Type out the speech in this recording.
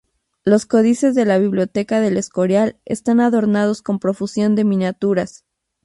Los códices de la Biblioteca del Escorial están adornados con profusión de miniaturas.